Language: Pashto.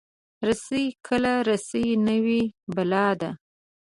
رسۍ کله رسۍ نه وي، بلا ده.